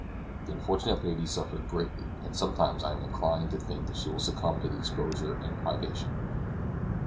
The unfortunate lady suffers greatly, and sometimes I am inclined to think that she will succumb to the exposure and privation.